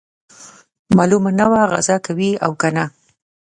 معلومه نه وه غزا کوي او کنه.